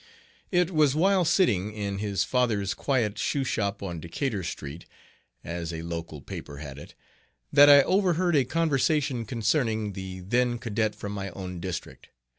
It was while sitting "in his father's quiet shoeshop on Decatur Street" as a local paper had it that I overheard a conversation concerning the then cadet from my own district.